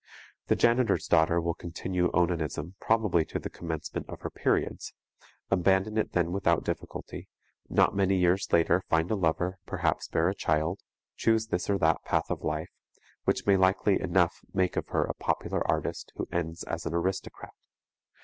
The janitor's daughter will continue onanism possibly to the commencement of her periods, abandon it then without difficulty, not many years later find a lover, perhaps bear a child, choose this or that path of life, which may likely enough make of her a popular artist who ends as an aristocrat.